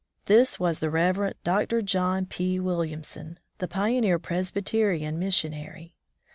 This was the Rev. Dr. John P. Williamson, the pioneer Presbyterian mis sionary.